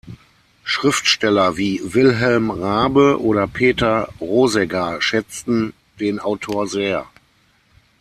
Schriftsteller wie Wilhelm Raabe oder Peter Rosegger schätzten den Autor sehr.